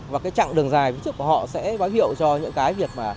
và cái chặng đường dài phía trước của họ sẽ báo hiệu cho những cái việc mà